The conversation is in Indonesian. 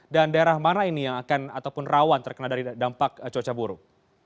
dan daerah mana ini yang akan ataupun rawan terkena dari dampak cuaca buruk